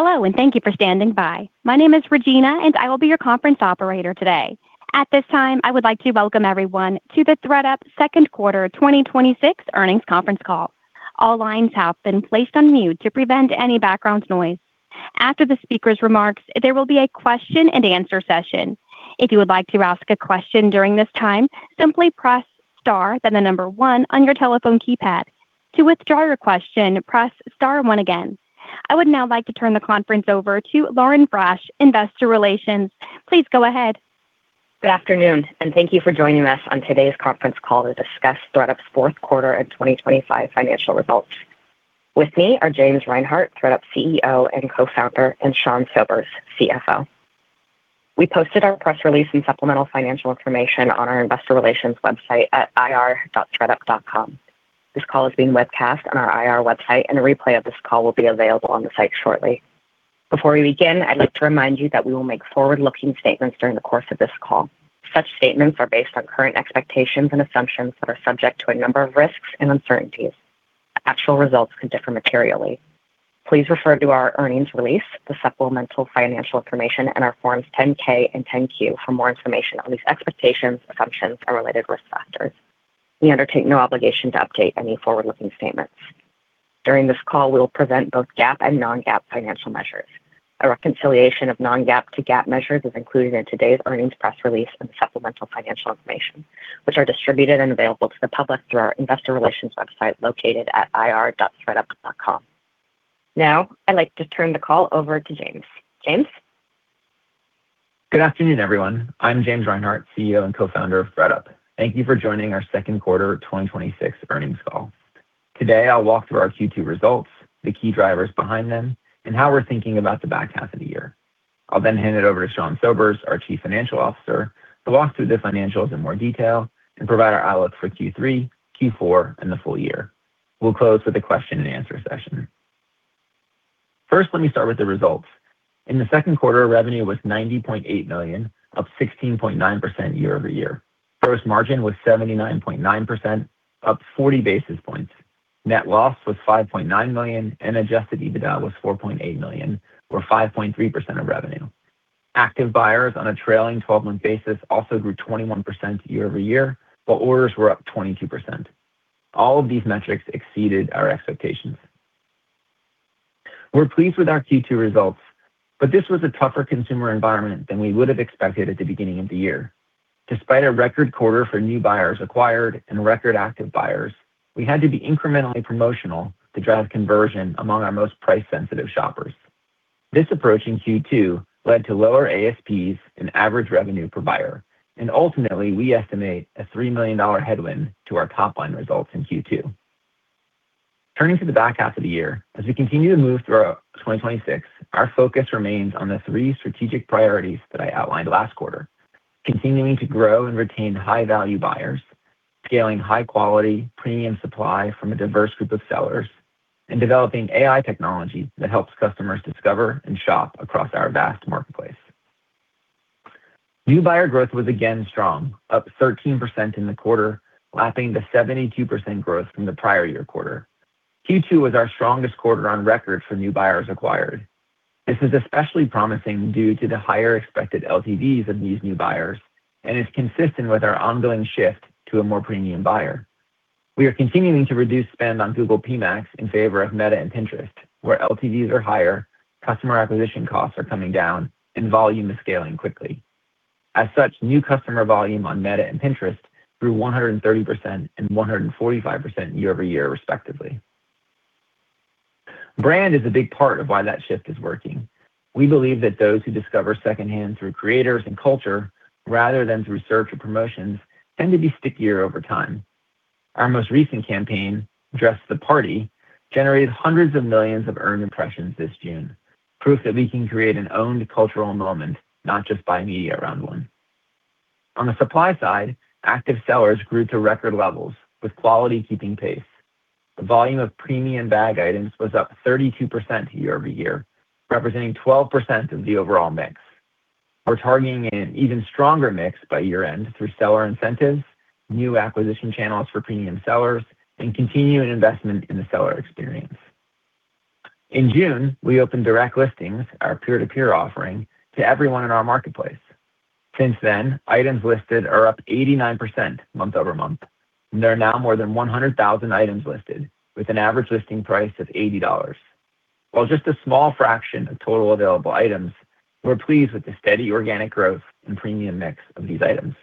Hello. Thank you for standing by. My name is Regina. I will be your Conference Operator today. At this time, I would like to welcome everyone to the ThredUp second quarter 2026 earnings conference call. All lines have been placed on mute to prevent any background noise. After the speaker's remarks, there will be a question-and-answer session. If you would like to ask a question during this time, simply press star, then the number one on your telephone keypad. To withdraw your question, press star one again. I would now like to turn the conference over to Lauren Frasch, Investor Relations. Please go ahead. Good afternoon. Thank you for joining us on today's conference call to discuss ThredUp's fourth quarter of 2025 financial results. With me are James Reinhart, ThredUp CEO and Co-Founder, and Sean Sobers, CFO. We posted our press release and supplemental financial information on our investor relations website at ir.thredup.com. This call is being webcast on our IR website. A replay of this call will be available on the site shortly. Before we begin, I'd like to remind you that we will make forward-looking statements during the course of this call. Such statements are based on current expectations and assumptions that are subject to a number of risks and uncertainties. Actual results could differ materially. Please refer to our earnings release, the supplemental financial information, and our forms 10-K and 10-Q for more information on these expectations, assumptions, and related risk factors. We undertake no obligation to update any forward-looking statements. During this call, we'll present both GAAP and non-GAAP financial measures. A reconciliation of non-GAAP to GAAP measures is included in today's earnings press release and supplemental financial information, which are distributed and available to the public through our investor relations website located at ir.thredup.com. Now, I'd like to turn the call over to James. James? Good afternoon, everyone. I'm James Reinhart, CEO and Co-Founder of ThredUp. Thank you for joining our second quarter 2026 earnings call. Today, I'll walk through our Q2 results, the key drivers behind them, and how we're thinking about the back half of the year. I'll then hand it over to Sean Sobers, our Chief Financial Officer, to walk through the financials in more detail and provide our outlook for Q3, Q4, and the full year. We'll close with a question-and-answer session. First, let me start with the results. In the second quarter, revenue was $90.8 million, up 16.9% year-over-year. Gross margin was 79.9%, up 40 basis points. Net loss was $5.9 million, and adjusted EBITDA was $4.8 million, or 5.3% of revenue. Active buyers on a trailing 12-month basis also grew 21% year-over-year, while orders were up 22%. All of these metrics exceeded our expectations. We're pleased with our Q2 results. This was a tougher consumer environment than we would have expected at the beginning of the year. Despite a record quarter for new buyers acquired and record active buyers, we had to be incrementally promotional to drive conversion among our most price-sensitive shoppers. This approach in Q2 led to lower ASPs and average revenue per buyer. Ultimately, we estimate a $3 million headwind to our top-line results in Q2. Turning to the back half of the year, as we continue to move throughout 2026, our focus remains on the three strategic priorities that I outlined last quarter. Continuing to grow and retain high-value buyers, scaling high-quality, premium supply from a diverse group of sellers, and developing AI technology that helps customers discover and shop across our vast marketplace. New buyer growth was again strong, up 13% in the quarter, lapping the 72% growth from the prior year quarter. Q2 was our strongest quarter on record for new buyers acquired. This is especially promising due to the higher expected LTVs of these new buyers and is consistent with our ongoing shift to a more premium buyer. We are continuing to reduce spend on Google PMax in favor of Meta and Pinterest, where LTVs are higher, customer acquisition costs are coming down, and volume is scaling quickly. As such, new customer volume on Meta and Pinterest grew 130% and 145% year-over-year, respectively. Brand is a big part of why that shift is working. We believe that those who discover secondhand through creators and culture, rather than through search or promotions, tend to be stickier over time. Our most recent campaign, Dress the Party, generated hundreds of millions of earned impressions this June. Proof that we can create an owned cultural moment, not just buy media around one. On the supply side, active sellers grew to record levels, with quality keeping pace. The volume of premium bag items was up 32% year-over-year, representing 12% of the overall mix. We're targeting an even stronger mix by year-end through seller incentives, new acquisition channels for premium sellers, and continuing investment in the seller experience. In June, we opened direct listings, our peer-to-peer offering, to everyone in our marketplace. Since then, items listed are up 89% month-over-month, and there are now more than 100,000 items listed, with an average listing price of $80. While just a small fraction of total available items, we're pleased with the steady organic growth and premium mix of these items.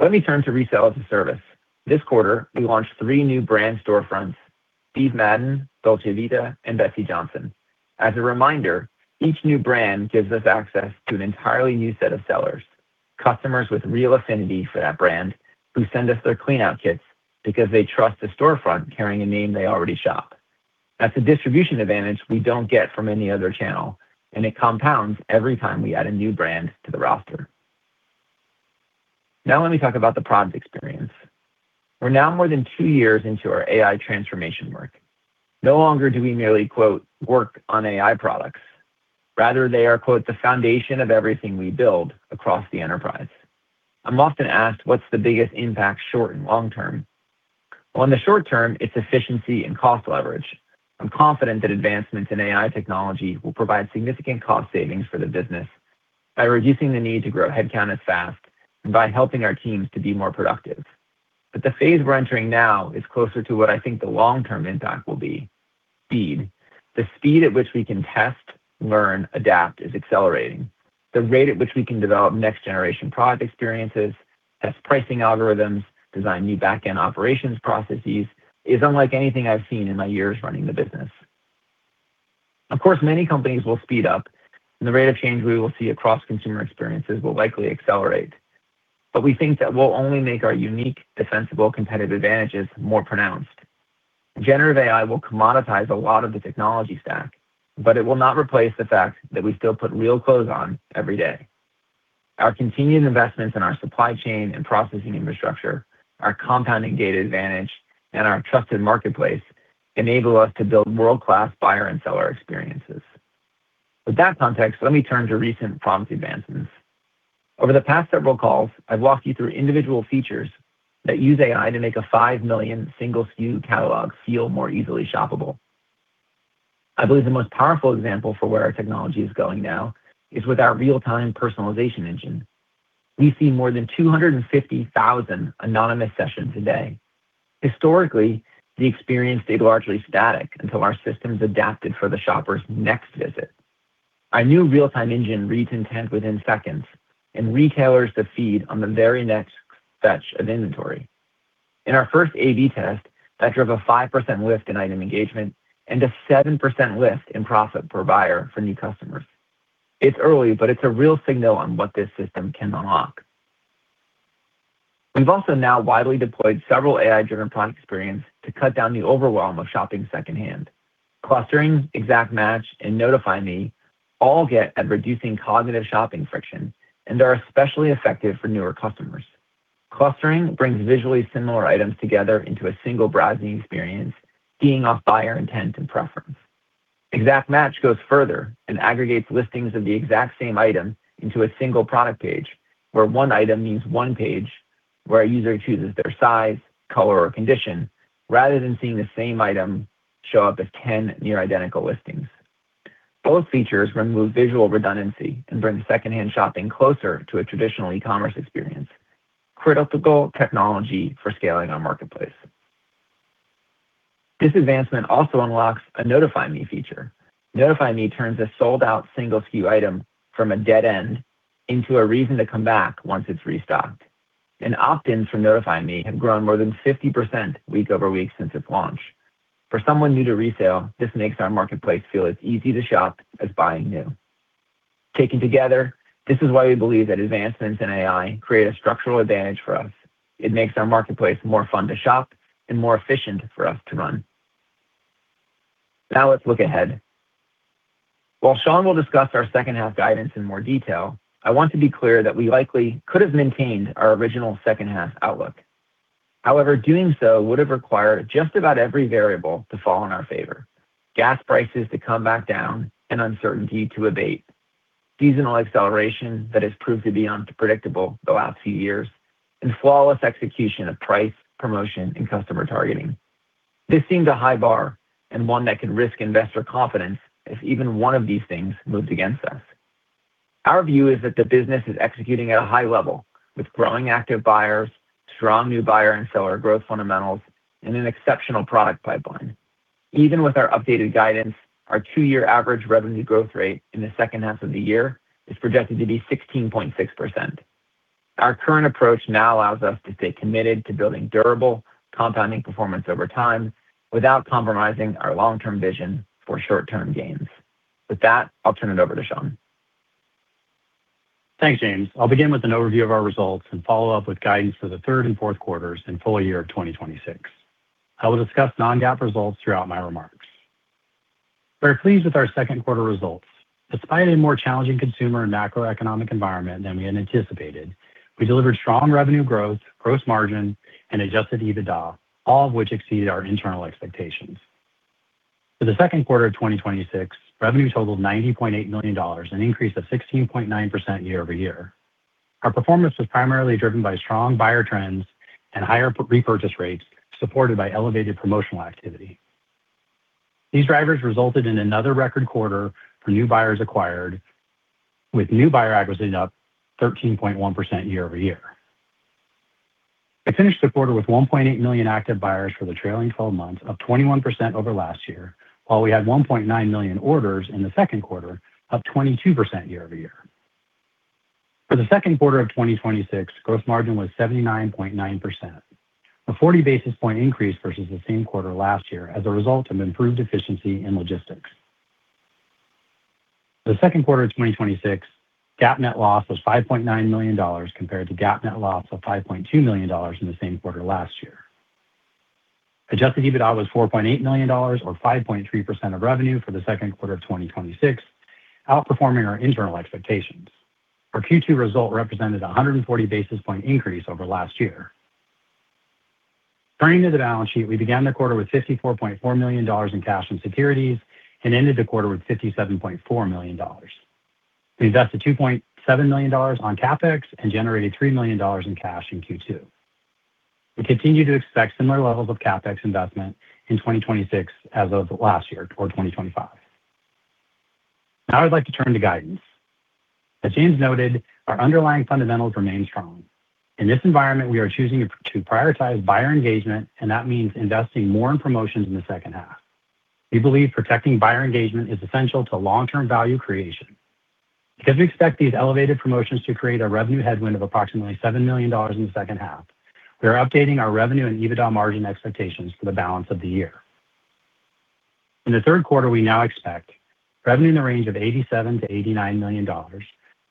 Let me turn to Resale-as-a-Service. This quarter, we launched three new brand storefronts, Steve Madden, Dolce Vita, and Betsey Johnson. As a reminder, each new brand gives us access to an entirely new set of sellers. Customers with real affinity for that brand who send us their cleanout kits because they trust the storefront carrying a name they already shop. That's a distribution advantage we don't get from any other channel, and it compounds every time we add a new brand to the roster. Let me talk about the product experience. We're now more than two years into our AI transformation work. No longer do we merely, quote, "work on AI products." Rather, they are, quote, "The foundation of everything we build across the enterprise." I'm often asked: What's the biggest impact, short and long term? In the short term, it's efficiency and cost leverage. I'm confident that advancements in AI technology will provide significant cost savings for the business by reducing the need to grow headcount as fast and by helping our teams to be more productive. The phase we're entering now is closer to what I think the long-term impact will be, speed. The speed at which we can test, learn, adapt is accelerating. The rate at which we can develop next-generation product experiences, test pricing algorithms, design new back-end operations processes is unlike anything I've seen in my years running the business. Of course, many companies will speed up, the rate of change we will see across consumer experiences will likely accelerate. We think that will only make our unique, defensible, competitive advantages more pronounced. Generative AI will commoditize a lot of the technology stack, it will not replace the fact that we still put real clothes on every day. Our continued investments in our supply chain and processing infrastructure, our compounding data advantage, and our trusted marketplace enable us to build world-class buyer and seller experiences. With that context, let me turn to recent product advancements. Over the past several calls, I've walked you through individual features that use AI to make a 5 million single SKU catalog feel more easily shoppable. I believe the most powerful example for where our technology is going now is with our real-time personalization engine. We see more than 250,000 anonymous sessions a day. Historically, the experience stayed largely static until our systems adapted for the shopper's next visit. Our new real-time engine reads intent within seconds, retailers the feed on the very next fetch of inventory. In our first A/B test, that drove a 5% lift in item engagement and a 7% lift in profit per buyer for new customers. It's early, it's a real signal on what this system can unlock. We've also now widely deployed several AI-driven product experience to cut down the overwhelm of shopping second-hand. Clustering, Exact Match, and Notify Me all get at reducing cognitive shopping friction and are especially effective for newer customers. Clustering brings visually similar items together into a single browsing experience, keying off buyer intent and preference. Exact Match goes further, aggregates listings of the exact same item into a single product page, where one item means one page, where a user chooses their size, color, or condition, rather than seeing the same item show up as 10 near-identical listings. Both features remove visual redundancy and bring second-hand shopping closer to a traditional e-commerce experience, critical technology for scaling our marketplace. This advancement also unlocks a Notify Me feature. Notify Me turns a sold-out single SKU item from a dead end into a reason to come back once it's restocked. Opt-ins for Notify Me have grown more than 50% week-over-week since its launch. For someone new to resale, this makes our marketplace feel as easy to shop as buying new. Taken together, this is why we believe that advancements in AI create a structural advantage for us. It makes our marketplace more fun to shop and more efficient for us to run. Let's look ahead. While Sean will discuss our second half guidance in more detail, I want to be clear that we likely could have maintained our original second half outlook. Doing so would have required just about every variable to fall in our favor. Gas prices to come back down and uncertainty to abate. Seasonal acceleration that has proved to be unpredictable the last few years, flawless execution of price, promotion, and customer targeting. This seemed a high bar, one that could risk investor confidence if even one of these things moved against us. Our view is that the business is executing at a high level, with growing active buyers, strong new buyer and seller growth fundamentals, and an exceptional product pipeline. Even with our updated guidance, our two-year average revenue growth rate in the second half of the year is projected to be 16.6%. Our current approach now allows us to stay committed to building durable, compounding performance over time without compromising our long-term vision for short-term gains. With that, I'll turn it over to Sean. Thanks, James. I'll begin with an overview of our results and follow up with guidance for the third and fourth quarters and full year of 2026. I will discuss non-GAAP results throughout my remarks. We're pleased with our second quarter results. Despite a more challenging consumer and macroeconomic environment than we had anticipated, we delivered strong revenue growth, gross margin, and adjusted EBITDA, all of which exceeded our internal expectations. For the second quarter of 2026, revenue totaled $90.8 million, an increase of 16.9% year-over-year. Our performance was primarily driven by strong buyer trends and higher repurchase rates, supported by elevated promotional activity. These drivers resulted in another record quarter for new buyers acquired, with new buyer acquisition up 13.1% year-over-year. We finished the quarter with 1.8 million active buyers for the trailing 12 months, up 21% over last year, while we had 1.9 million orders in the second quarter, up 22% year-over-year. For the second quarter of 2026, gross margin was 79.9%, a 40 basis point increase versus the same quarter last year as a result of improved efficiency and logistics. For the second quarter of 2026, GAAP net loss was $5.9 million compared to GAAP net loss of $5.2 million in the same quarter last year. Adjusted EBITDA was $4.8 million or 5.3% of revenue for the second quarter of 2026, outperforming our internal expectations. Our Q2 result represented a 140 basis point increase over last year. Turning to the balance sheet, we began the quarter with $54.4 million in cash and securities and ended the quarter with $57.4 million. We invested $2.7 million on CapEx and generated $3 million in cash in Q2. We continue to expect similar levels of CapEx investment in 2026 as of last year toward 2025. I'd like to turn to guidance. As James noted, our underlying fundamentals remain strong. In this environment, we are choosing to prioritize buyer engagement, that means investing more in promotions in the second half. We believe protecting buyer engagement is essential to long-term value creation. Because we expect these elevated promotions to create a revenue headwind of approximately $7 million in the second half, we are updating our revenue and EBITDA margin expectations for the balance of the year. In the third quarter, we now expect revenue in the range of $87 million-$89 million,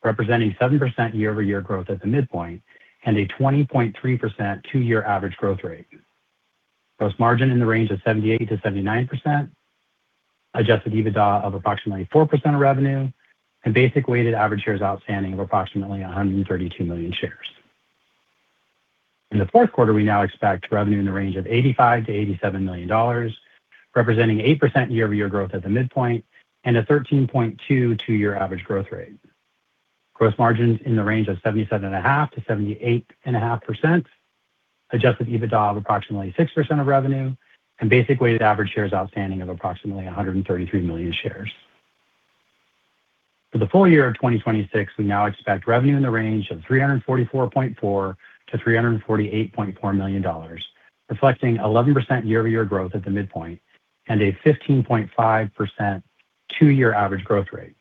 representing 7% year-over-year growth at the midpoint, and a 20.3% two-year average growth rate. Gross margin in the range of 78%-79%, adjusted EBITDA of approximately 4% of revenue, basic weighted average shares outstanding of approximately 132 million shares. In the fourth quarter, we now expect revenue in the range of $85 million-$87 million, representing 8% year-over-year growth at the midpoint, and a 13.2% two-year average growth rate. Gross margins in the range of 77.5%-78.5%, adjusted EBITDA of approximately 6% of revenue, basic weighted average shares outstanding of approximately 133 million shares. For the full year of 2026, we now expect revenue in the range of $344.4 million-$348.4 million, reflecting 11% year-over-year growth at the midpoint, and a 15.5% two-year average growth rate.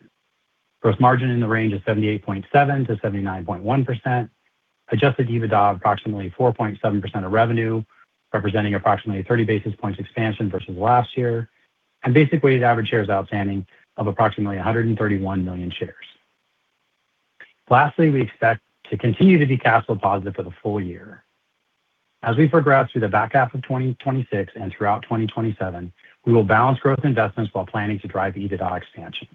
Gross margin in the range of 78.7%-79.1%, adjusted EBITDA of approximately 4.7% of revenue, representing approximately 30 basis points expansion versus last year, basic weighted average shares outstanding of approximately 131 million shares. Lastly, we expect to continue to be cash flow positive for the full year. As we progress through the back half of 2026 and throughout 2027, we will balance growth investments while planning to drive EBITDA expansion.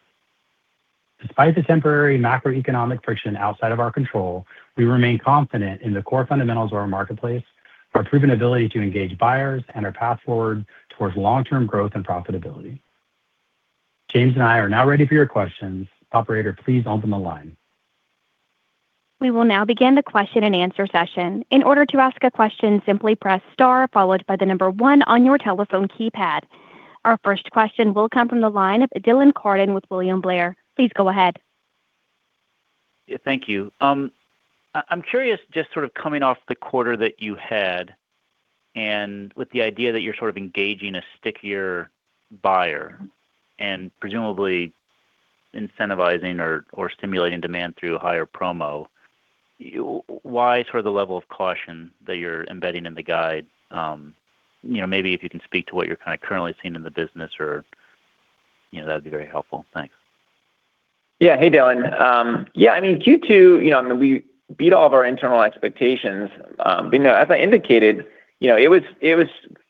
Despite the temporary macroeconomic friction outside of our control, we remain confident in the core fundamentals of our marketplace, our proven ability to engage buyers, and our path forward towards long-term growth and profitability. James and I are now ready for your questions. Operator, please open the line. We will now begin the question and answer session. In order to ask a question, simply press star followed by the number 1 on your telephone keypad. Our first question will come from the line of Dylan Carden with William Blair. Please go ahead. Yeah. Thank you. I'm curious, just sort of coming off the quarter that you had and with the idea that you're sort of engaging a stickier buyer and presumably incentivizing or stimulating demand through higher promo, why sort of the level of caution that you're embedding in the guide? Maybe if you can speak to what you're kind of currently seeing in the business. That'd be very helpful. Thanks. Hey, Dylan. Q2, we beat all of our internal expectations. As I indicated,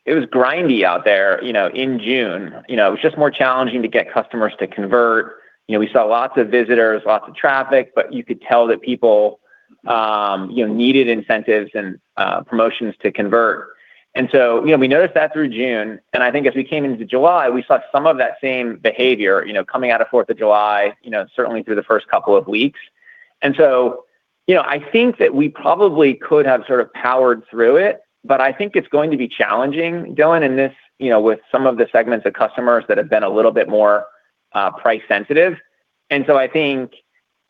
it was grindy out there in June. It was just more challenging to get customers to convert. We saw lots of visitors, lots of traffic, but you could tell that people needed incentives and promotions to convert. We noticed that through June, and I think as we came into July, we saw some of that same behavior coming out of 4th of July, certainly through the first couple of weeks. I think that we probably could have sort of powered through it, but I think it's going to be challenging, Dylan, in this with some of the segments of customers that have been a little bit more price sensitive. I think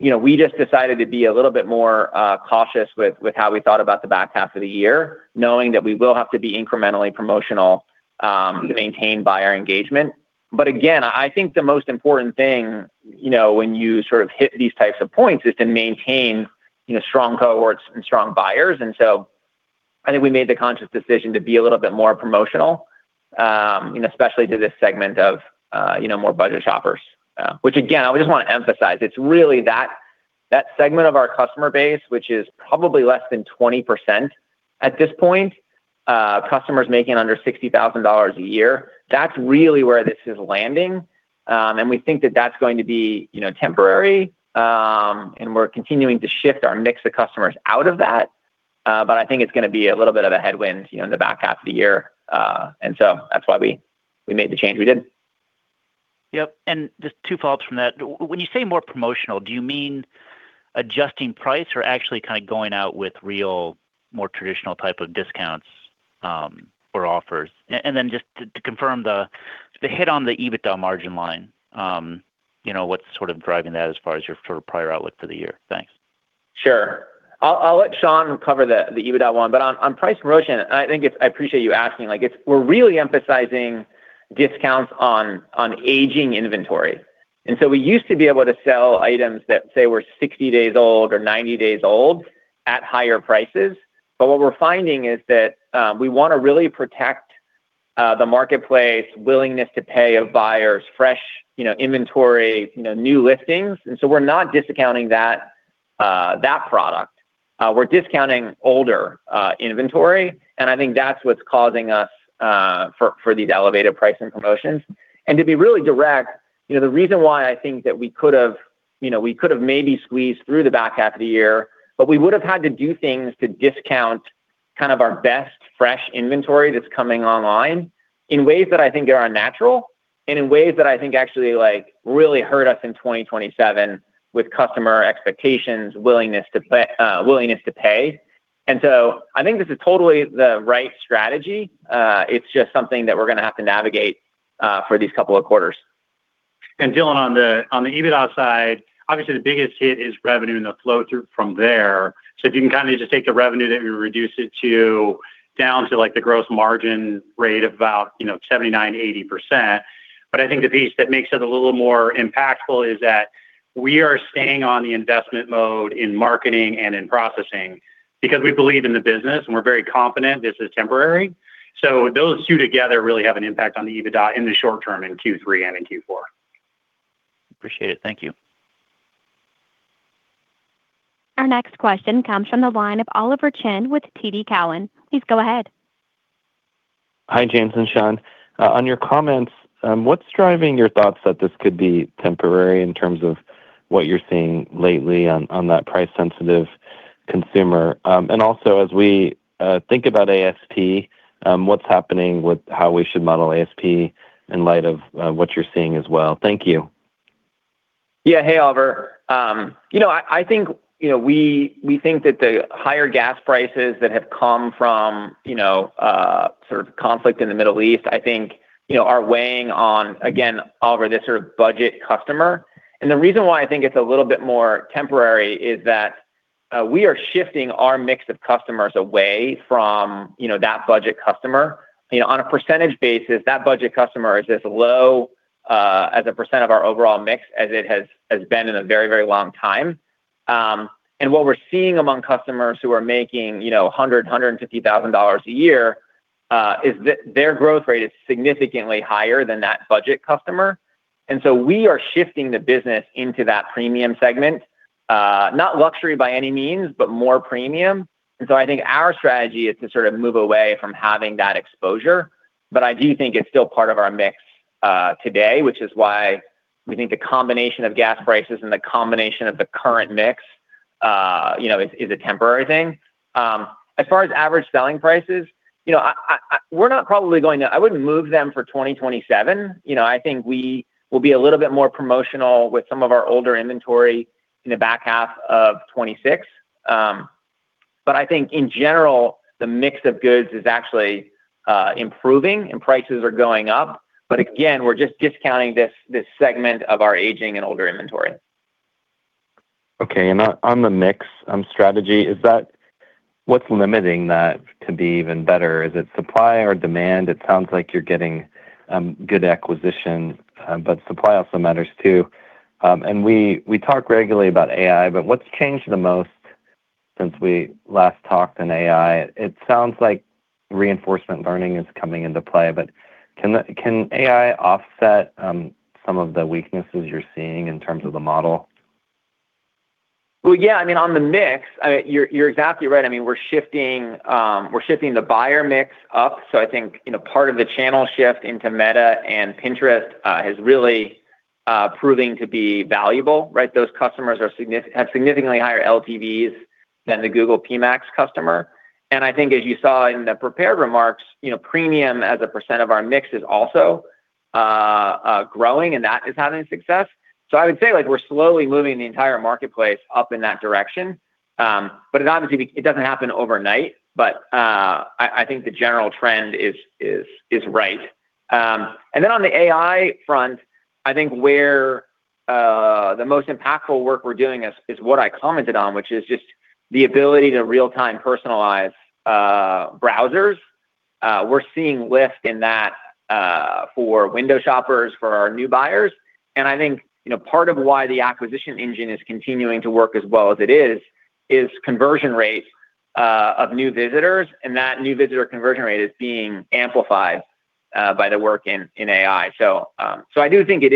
we just decided to be a little bit more cautious with how we thought about the back half of the year, knowing that we will have to be incrementally promotional to maintain buyer engagement. Again, I think the most important thing when you sort of hit these types of points is to maintain strong cohorts and strong buyers. I think we made the conscious decision to be a little bit more promotional, especially to this segment of more budget shoppers. Which again, I just want to emphasize, it's really that segment of our customer base, which is probably less than 20% at this point, customers making under $60,000 a year. That's really where this is landing. We think that that's going to be temporary, and we're continuing to shift our mix of customers out of that. I think it's going to be a little bit of a headwind in the back half of the year. That's why we made the change we did. Yep. Just two follow-ups from that. When you say more promotional, do you mean adjusting price or actually kind of going out with real, more traditional type of discounts or offers? Then just to confirm the hit on the EBITDA margin line. What's sort of driving that as far as your sort of prior outlook for the year? Thanks. Sure. I'll let Sean cover the EBITDA one. On price promotion, I appreciate you asking. We're really emphasizing discounts on aging inventory. We used to be able to sell items that, say, were 60 days old or 90 days old at higher prices. What we're finding is that we want to really protect the marketplace willingness to pay of buyers fresh inventory, new listings. We're not discounting that product. We're discounting older inventory, I think that's what's causing us for these elevated price and promotions. To be really direct, the reason why I think that we could have We could have maybe squeezed through the back half of the year, we would've had to do things to discount kind of our best fresh inventory that's coming online in ways that I think are unnatural and in ways that I think actually really hurt us in 2027 with customer expectations, willingness to pay. I think this is totally the right strategy. It's just something that we're going to have to navigate for these couple of quarters. Dylan, on the EBITDA side, obviously the biggest hit is revenue and the flow-through from there. If you can kind of just take the revenue that we reduce it to down to the gross margin rate of about 79%, 80%. I think the piece that makes it a little more impactful is that we are staying on the investment mode in marketing and in processing because we believe in the business, and we're very confident this is temporary. Those two together really have an impact on the EBITDA in the short term, in Q3 and in Q4. Appreciate it. Thank you. Our next question comes from the line of Oliver Chen with TD Cowen. Please go ahead. Hi, James and Sean. On your comments, what's driving your thoughts that this could be temporary in terms of what you're seeing lately on that price-sensitive consumer? Also, as we think about ASP, what's happening with how we should model ASP in light of what you're seeing as well? Thank you. Yeah. Hey, Oliver. I think we think that the higher gas prices that have come from sort of conflict in the Middle East, I think, are weighing on, again, Oliver, this sort of budget customer. The reason why I think it's a little bit more temporary is that we are shifting our mix of customers away from that budget customer. On a percentage basis, that budget customer is as low as a percent of our overall mix as it has been in a very long time. What we're seeing among customers who are making $100,000, $150,000 a year, is that their growth rate is significantly higher than that budget customer. So we are shifting the business into that premium segment. Not luxury by any means, but more premium. So I think our strategy is to sort of move away from having that exposure. I do think it's still part of our mix today, which is why we think the combination of gas prices and the combination of the current mix is a temporary thing. As far as average selling prices, I wouldn't move them for 2027. I think we will be a little bit more promotional with some of our older inventory in the back half of 2026. I think in general, the mix of goods is actually improving and prices are going up. Again, we're just discounting this segment of our aging and older inventory. Okay. On the mix strategy, what's limiting that to be even better? Is it supply or demand? It sounds like you're getting good acquisition, but supply also matters too. We talk regularly about AI, what's changed the most since we last talked in AI? It sounds like reinforcement learning is coming into play, can AI offset some of the weaknesses you're seeing in terms of the model? Well, yeah, on the mix, you're exactly right. We're shifting the buyer mix up. I think, part of the channel shift into Meta and Pinterest has really proving to be valuable, right? Those customers have significantly higher LTVs than the Google PMax customer. I think as you saw in the prepared remarks, premium as a percent of our mix is also growing, and that is having success. I would say, we're slowly moving the entire marketplace up in that direction. It doesn't happen overnight. I think the general trend is right. On the AI front, I think where the most impactful work we're doing is what I commented on, which is just the ability to real-time personalize browsers. We're seeing lift in that for window shoppers, for our new buyers. I think, part of why the acquisition engine is continuing to work as well as it is conversion rate of new visitors. That new visitor conversion rate is being amplified by the work in AI. I do think it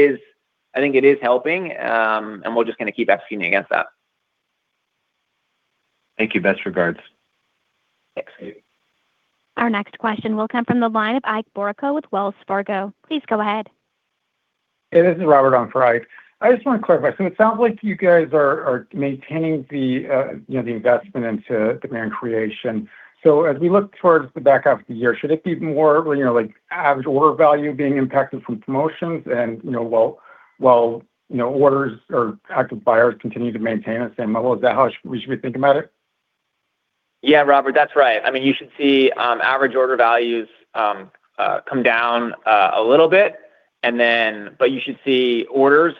is helping, and we're just going to keep executing against that. Thank you. Best regards. Thanks. Our next question will come from the line of Ike Boruchow with Wells Fargo. Please go ahead. Hey, this is Robert on for Ike. I just want to clarify. It sounds like you guys are maintaining the investment into demand creation. As we look towards the back half of the year, should it be more average order value being impacted from promotions and while orders or active buyers continue to maintain the same level? Is that how we should be thinking about it? Yeah, Robert, that's right. You should see average order values come down a little bit. You should see orders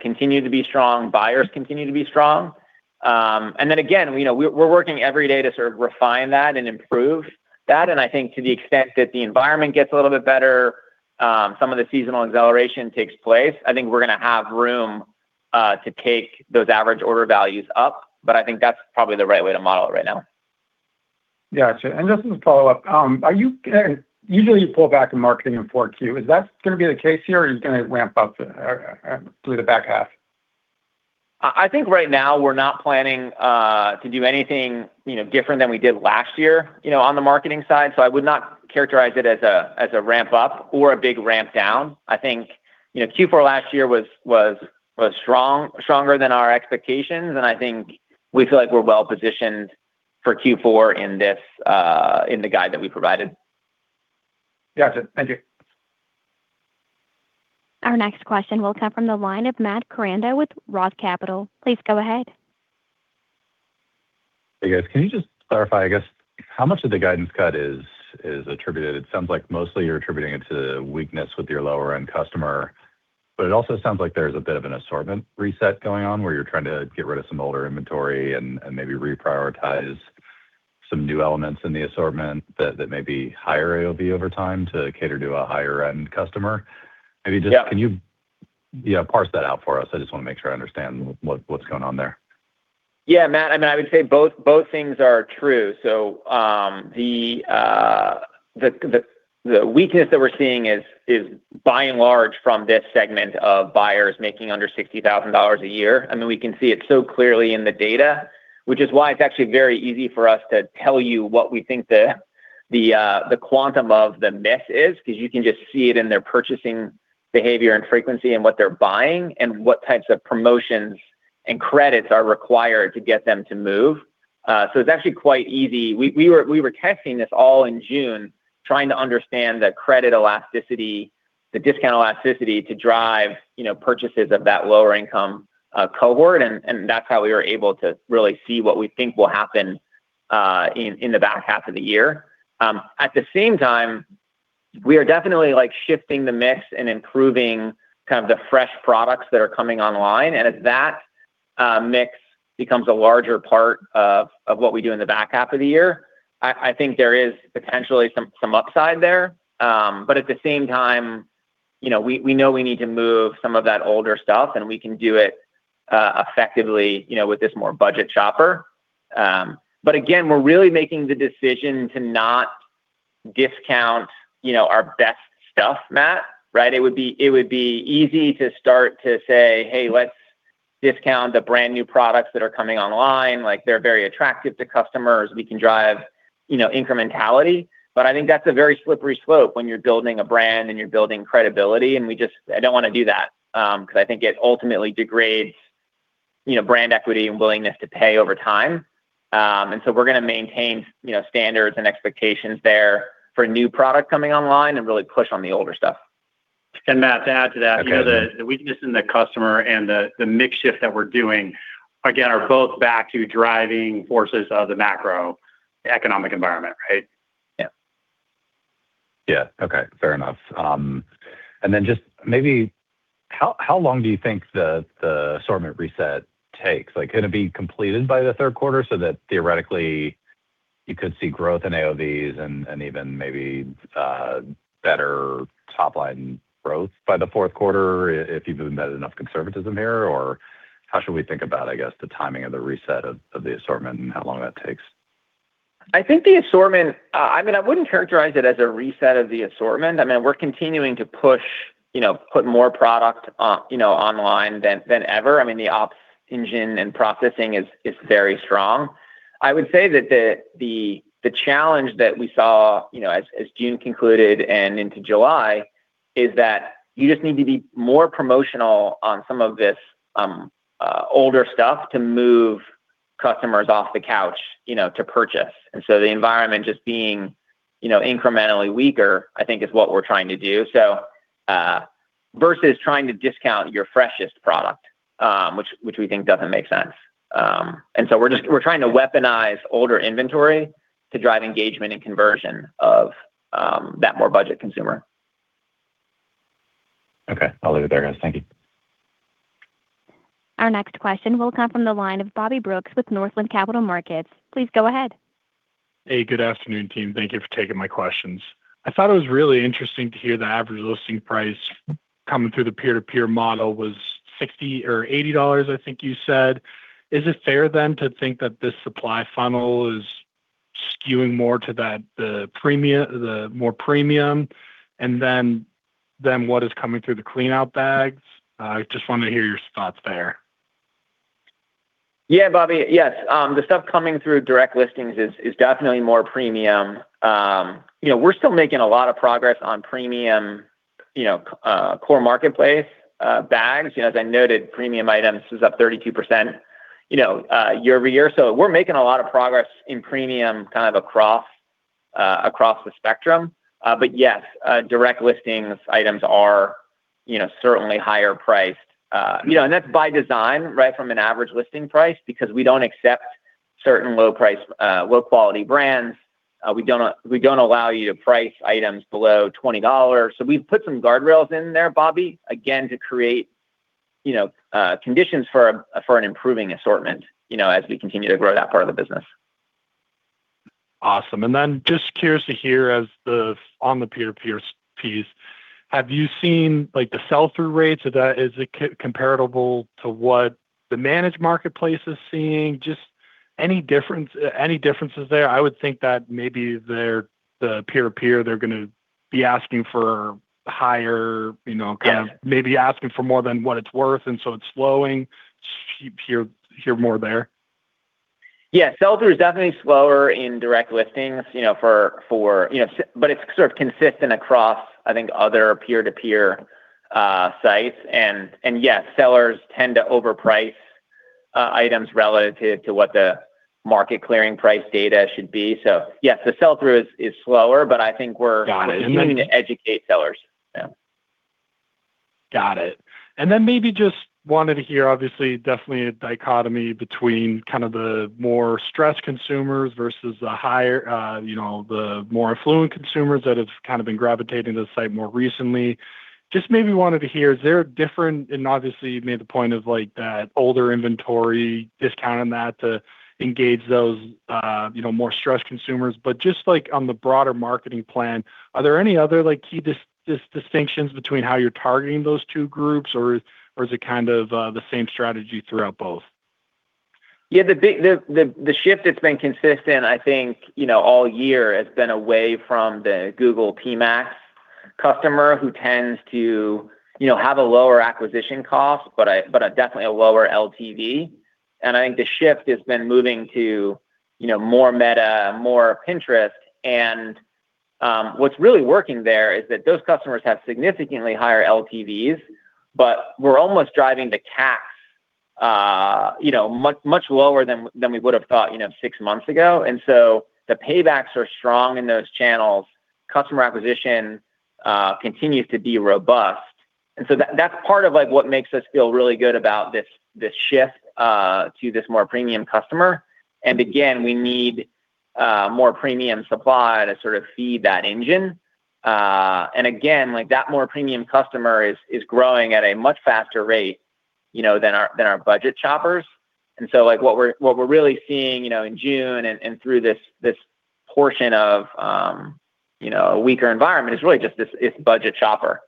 continue to be strong, buyers continue to be strong. Again, we're working every day to sort of refine that and improve that. I think to the extent that the environment gets a little bit better, some of the seasonal acceleration takes place. I think we're going to have room to take those average order values up, but I think that's probably the right way to model it right now. Got you. Just as a follow-up. Usually you pull back in marketing in Q4. Is that going to be the case here, or are you going to ramp up through the back half? I think right now we're not planning to do anything different than we did last year on the marketing side. I would not characterize it as a ramp-up or a big ramp-down. I think Q4 last year was stronger than our expectations, we feel like we're well-positioned for Q4 in the guide that we provided. Gotcha. Thank you. Our next question will come from the line of Matt Koranda with ROTH Capital. Please go ahead. Hey, guys. Can you just clarify, I guess, how much of the guidance cut is attributed? It sounds like mostly you're attributing it to weakness with your lower-end customer. It also sounds like there's a bit of an assortment reset going on, where you're trying to get rid of some older inventory and maybe reprioritize some new elements in the assortment that may be higher AOV over time to cater to a higher-end customer. Yeah. Maybe just, can you parse that out for us? I just want to make sure I understand what's going on there. Yeah, Matt, I would say both things are true. The weakness that we're seeing is by and large from this segment of buyers making under $60,000 a year. We can see it so clearly in the data, which is why it's actually very easy for us to tell you what we think the quantum of the miss is, because you can just see it in their purchasing behavior and frequency and what they're buying, and what types of promotions and credits are required to get them to move. It's actually quite easy. We were testing this all in June, trying to understand the credit elasticity, the discount elasticity to drive purchases of that lower income cohort, and that's how we were able to really see what we think will happen in the back half of the year. At the same time, we are definitely shifting the mix and improving kind of the fresh products that are coming online, and as that mix becomes a larger part of what we do in the back half of the year, I think there is potentially some upside there. At the same time, we know we need to move some of that older stuff, and we can do it effectively with this more budget shopper. Again, we're really making the decision to not discount our best stuff, Matt. It would be easy to start to say, "Hey, let's discount the brand-new products that are coming online. They're very attractive to customers. We can drive incrementality. I think that's a very slippery slope when you're building a brand and you're building credibility, and I don't want to do that, because I think it ultimately degrades brand equity and willingness to pay over time. We're going to maintain standards and expectations there for new product coming online and really push on the older stuff. Matt, to add to that. Okay the weakness in the customer and the mix shift that we're doing, again, are both back to driving forces of the macroeconomic environment, right? Yeah. Yeah. Okay, fair enough. Just maybe, how long do you think the assortment reset takes? Can it be completed by the third quarter so that theoretically you could see growth in AOVs and even maybe better top-line growth by the fourth quarter if you've embedded enough conservatism here, or how should we think about, I guess, the timing of the reset of the assortment and how long that takes? I think the assortment, I wouldn't characterize it as a reset of the assortment. We're continuing to put more product online than ever. The ops engine and processing is very strong. I would say that the challenge that we saw as June concluded and into July, is that you just need to be more promotional on some of this older stuff to move customers off the couch to purchase. The environment just being incrementally weaker, I think is what we're trying to do, versus trying to discount your freshest product, which we think doesn't make sense. We're trying to weaponize older inventory to drive engagement and conversion of that more budget consumer. Okay. I'll leave it there, guys. Thank you. Our next question will come from the line of Bobby Brooks with Northland Capital Markets. Please go ahead. Hey, good afternoon, team. Thank you for taking my questions. I thought it was really interesting to hear the average listing price coming through the peer-to-peer model was $60 or $80, I think you said. Is it fair to think that this supply funnel is skewing more to the more premium than what is coming through the clean-out bags? I just wanted to hear your thoughts there. Yeah, Bobby. Yes. The stuff coming through direct listings is definitely more premium. We're still making a lot of progress on premium core marketplace bags. As I noted, premium items is up 32% year-over-year. We're making a lot of progress in premium kind of across the spectrum. Yes, direct listings items are certainly higher priced. That's by design from an average listing price, because we don't accept certain low-quality brands. We don't allow you to price items below $20. We've put some guardrails in there, Bobby, again, to create conditions for an improving assortment as we continue to grow that part of the business. Awesome. Just curious to hear on the peer-to-peer piece, have you seen the sell-through rates? Is it comparable to what the managed marketplace is seeing? Just any differences there? I would think that maybe the peer-to-peer, they're going to be asking for higher- Yeah kind of maybe asking for more than what it's worth, and so it's slowing. Do you hear more there? Yeah. Sell-through is definitely slower in direct listings, but it's sort of consistent across, I think, other peer-to-peer Sites. Yes, sellers tend to overprice items relative to what the market clearing price data should be. Yes, the sell-through is slower, but I think we're- Got it continuing to educate sellers. Yeah. Got it. Maybe just wanted to hear, obviously, definitely a dichotomy between kind of the more stressed consumers versus the more affluent consumers that have kind of been gravitating to the site more recently. Just maybe wanted to hear, is there a different, and obviously you made the point of that older inventory, discounting that to engage those more stressed consumers, but just on the broader marketing plan, are there any other key distinctions between how you're targeting those two groups? Or is it kind of the same strategy throughout both? Yeah. The shift that's been consistent, I think, all year, has been away from the Google PMax customer who tends to have a lower acquisition cost, but definitely a lower LTV. I think the shift has been moving to more Meta, more Pinterest, and what's really working there is that those customers have significantly higher LTVs, but we're almost driving the CAC much lower than we would've thought six months ago. So the paybacks are strong in those channels. Customer acquisition continues to be robust. So that's part of what makes us feel really good about this shift to this more premium customer. Again, we need more premium supply to sort of feed that engine. Again, that more premium customer is growing at a much faster rate than our budget shoppers. What we're really seeing in June and through this portion of a weaker environment is really just this budget shopper.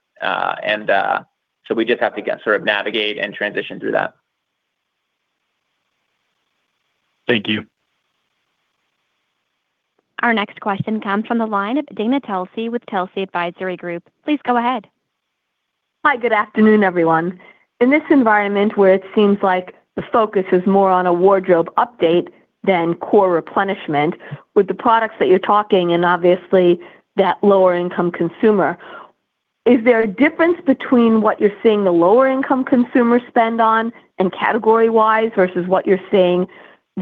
We just have to sort of navigate and transition through that. Thank you. Our next question comes from the line of Dana Telsey with Telsey Advisory Group. Please go ahead. Hi. Good afternoon, everyone. In this environment where it seems like the focus is more on a wardrobe update than core replenishment with the products that you're talking, and obviously that lower income consumer, is there a difference between what you're seeing the lower income consumer spend on and category-wise versus what you're seeing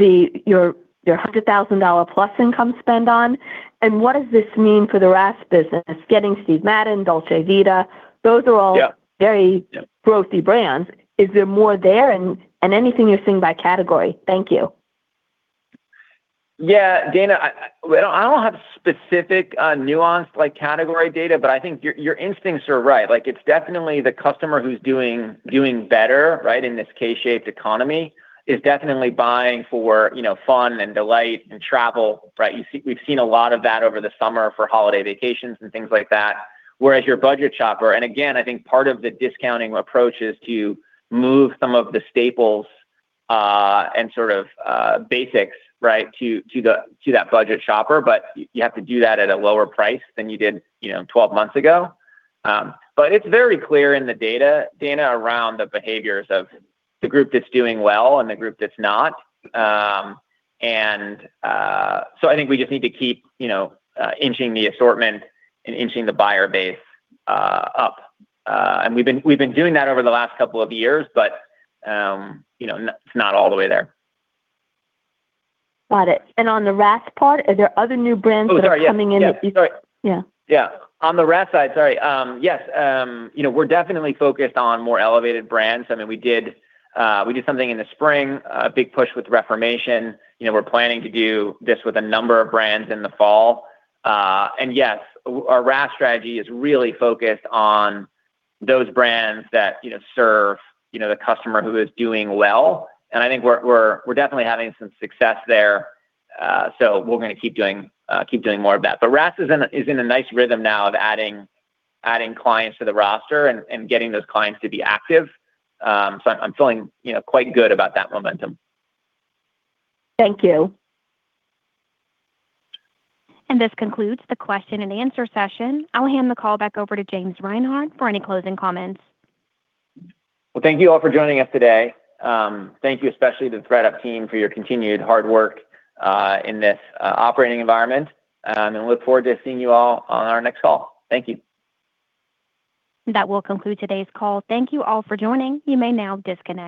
your $100,000-plus income spend on? What does this mean for the RaaS business, getting Steve Madden, Dolce Vita? Those are all- Yeah very frothy brands. Is there more there? Anything you're seeing by category. Thank you. Yeah. Dana, I don't have specific nuanced category data, but I think your instincts are right. It's definitely the customer who's doing better, in this K-shaped economy, is definitely buying for fun and delight and travel. We've seen a lot of that over the summer for holiday vacations and things like that. Whereas your budget shopper, and again, I think part of the discounting approach is to move some of the staples and sort of basics to that budget shopper, but you have to do that at a lower price than you did 12 months ago. It's very clear in the data, Dana, around the behaviors of the group that's doing well and the group that's not. I think we just need to keep inching the assortment and inching the buyer base up. We've been doing that over the last couple of years, but it's not all the way there. Got it. On the RaaS part, are there other new brands that are coming in? Sorry, yeah. Yeah. Yeah. On the RaaS side, sorry. Yes. We're definitely focused on more elevated brands. We did something in the spring, a big push with Reformation. We're planning to do this with a number of brands in the fall. Yes, our RaaS strategy is really focused on those brands that serve the customer who is doing well, and I think we're definitely having some success there. We're going to keep doing more of that. RaaS is in a nice rhythm now of adding clients to the roster and getting those clients to be active. I'm feeling quite good about that momentum. Thank you. This concludes the question and answer session. I'll hand the call back over to James Reinhart for any closing comments. Well, thank you all for joining us today. Thank you especially to the ThredUp team for your continued hard work in this operating environment. Look forward to seeing you all on our next call. Thank you. That will conclude today's call. Thank you all for joining. You may now disconnect.